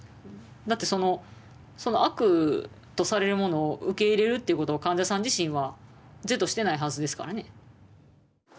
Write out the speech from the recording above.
だってその「悪」とされるものを受け入れるということを患者さん自身は是としてないはずですからね。